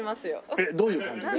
えっどういう感じで？